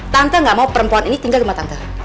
tante gak mau perempuan ini tinggal sama tante